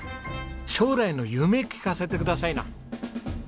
将来の夢聞かせてくださいな。